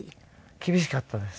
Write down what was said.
厳しかったです。